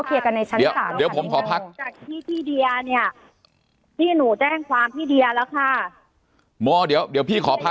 ถ้าขายในสิ้นเดือนรถไม่ตกลงซื้อพี่เดีย